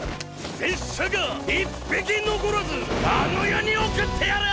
拙者が一匹のこらずあの世に送ってやる！